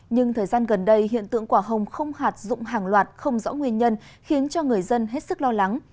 nhưng thời gian gần đây hiện tượng quả hồng không hạt dụng hàng loạt không rõ nguyên nhân khiến cho người dân hết sức lo lắng